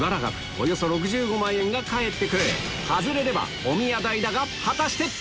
およそ６５万円が返ってくる外れればおみや代だが果たして？